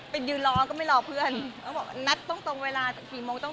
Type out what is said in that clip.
เพื่อนจะไม่งงเพื่อนก็เป็นแบบนี้อยู่แล้ว